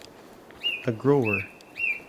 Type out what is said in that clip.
A grower.